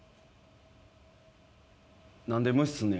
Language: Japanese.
何で無視すんねや。